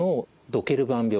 ドケルバン病。